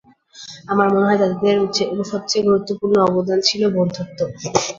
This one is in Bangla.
আমার মনে হয় তাদের সবচেয়ে গুরুত্বপূর্ণ অবদান ছিল বন্ধুত্ব।